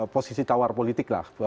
posisi tawar politik lah